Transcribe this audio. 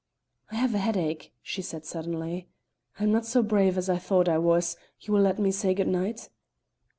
"I have a headache," she said suddenly. "I am not so brave as I thought I was; you will let me say good night?"